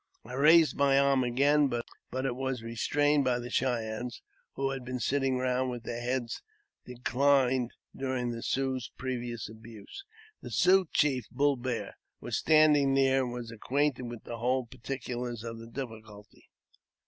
I raised my arm again, but it was restrained by the Cheyennes, who had been sitting round with their heads decUned during the Sioux's previous abuse. The Sioux chief, Bull Bear, was standing near, and was acquainted with the whole particulars of the difficulty.